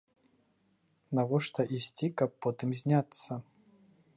Навошта ісці, каб потым зняцца?